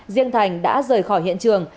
riêng thành đã rời khỏi hiện trường